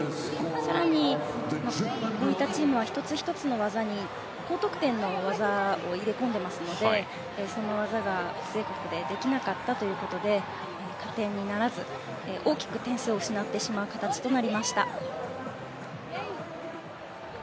更に、こういったチームは１つ１つの技に高得点の技を入れ込んでいますのでその技が焦ってできなかったということで加点にならず、大きく点数を失ってしまう形となりました。